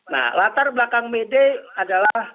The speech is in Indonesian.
nah latar belakang may day adalah